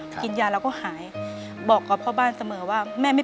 เปลี่ยนเพลงเพลงเก่งของคุณและข้ามผิดได้๑คำ